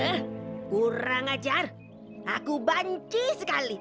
eh kurang ajar aku banci sekali